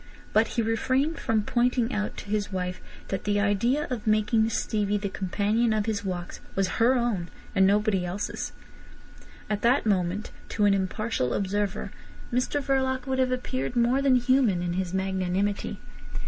But he refrained from pointing out to his wife that the idea of making Stevie the companion of his walks was her own, and nobody else's. At that moment, to an impartial observer, Mr Verloc would have appeared more than human in his magnanimity.